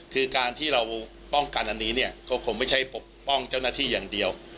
คือการที่เราป้องกันอันนี้เนี่ยก็คงไม่ใช่ปกป้องเจ้าหน้าที่อย่างเดียว